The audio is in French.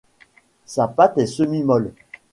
Sa pâte est semi-molle.